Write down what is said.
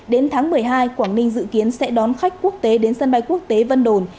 đến tháng một mươi hai quảng ninh dự kiến sẽ đón khách quốc tế đến sân bay quốc tế vân đồn